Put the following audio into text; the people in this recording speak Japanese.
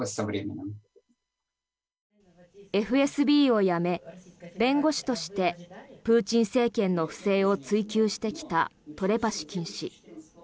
ＦＳＢを辞め、弁護士としてプーチン政権の不正を追及してきたトレパシキン氏。